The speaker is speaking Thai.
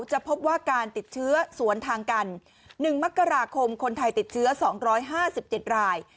จะพบว่าการติดเชื้อสวนทางกัน๑มกราคมคนไทยติดเชื้อ๒๕๗ราย